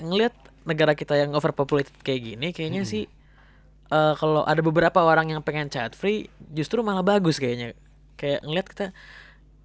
ngelihat negara kita yang over populated kayak gini kayaknya sih kalau ada beberapa orang yang pengen chat free justru malah bagus kayaknya kayak ngelihat kita di manggaraya aja kita nyambung sama topik topiknya gitu ya kan